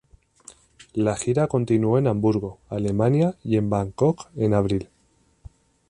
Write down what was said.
La gira continuó en Hamburgo, Alemania y en Bangkok en abril.